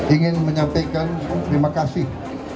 ingin menyampaikan terima kasih